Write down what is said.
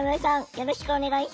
よろしくお願いします。